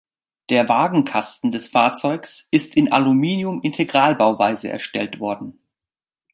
Der Wagenkasten des Fahrzeugs ist in Aluminium-Integralbauweise erstellt worden.